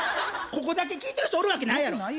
ここだけ聞いてる人おるわけないやろ。